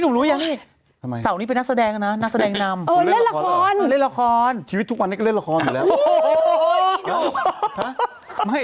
เหมือนเป็นอยู่ห้นเขาเล่าระคอบริกา